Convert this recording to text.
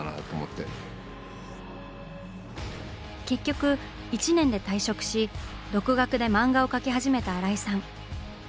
結局１年で退職し独学で漫画を描き始めた新井さん。